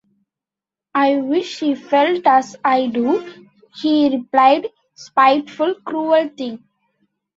‘I wish she felt as I do,’ he replied: ‘spiteful, cruel thing!